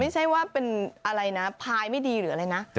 จริงแล้วเนี่ยปายไม่ดีหรืออะไรนะ